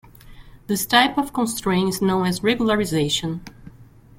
This type of constraint is known as regularization.